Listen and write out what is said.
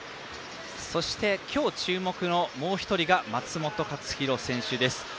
そして、今日、注目のもう一人が松元克央選手です。